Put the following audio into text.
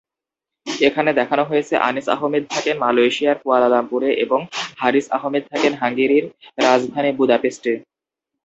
এখানে দেখানো হয়েছে আনিস আহমেদ থাকেন মালয়েশিয়ার কুয়ালালামপুরে এবং হারিস আহমেদ থাকেন হাঙ্গেরির রাজধানী বুদাপেস্টে।